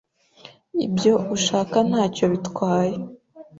Ibyo ushaka ntacyo bitwaye